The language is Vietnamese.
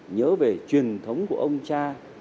nhớ về truyền thống của ông cha